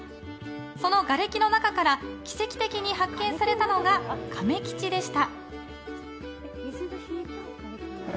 そのがれきの中から奇跡的に発見されたのがかめ吉でした。